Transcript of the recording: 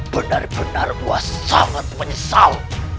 benar benar puas sangat menyesal